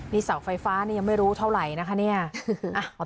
นี่เสาไฟฟ้านี่ยังไม่รู้เท่าไหร่นะคะเนี่ย